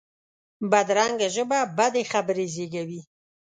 بدرنګه ژبه بدې خبرې زېږوي